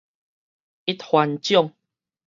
一番獎